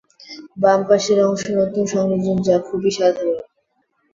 বাম পাশের অংশ নতুন সংযোজন যা খুবই সাধারণ।